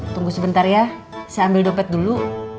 tunggu sebentar ya saya ambil dompet dulu